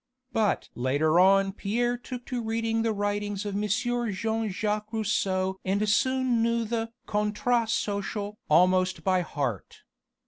But later on Pierre took to reading the writings of M. Jean Jacques Rousseau and soon knew the Contrat Social almost by heart.